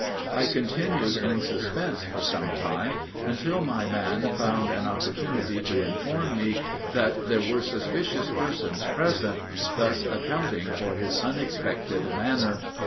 I continued in suspense for some time, until my man found an opportunity to inform me that there were suspicious persons present, thus accounting for his unexpected manner.